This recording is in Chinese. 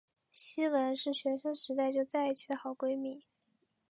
希汶是学生时代就在一起的好闺蜜。